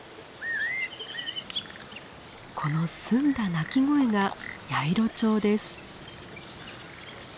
この澄んだ鳴き声がヤイロチョウです。